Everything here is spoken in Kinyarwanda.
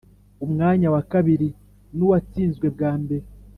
umwanya wa kabiri nuwatsinzwe bwa mbere